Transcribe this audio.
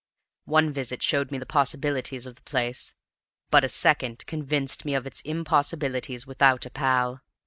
One visit showed me the possibilities of the place, but a second convinced me of its impossibilities without a pal.